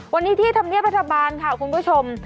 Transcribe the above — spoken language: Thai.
วันนี้ที่ธรรมเนียบรัฐบาลค่ะคุณผู้ชม